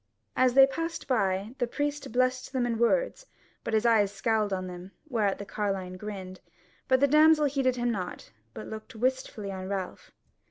As they passed by, the priest blessed them in words, but his eyes scowled on them, whereat the carline grinned, but the damsel heeded him not, but looked wistfully on Ralph.